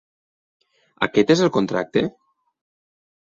Aquest és el contracte?